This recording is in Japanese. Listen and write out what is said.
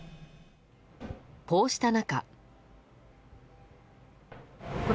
こうした中。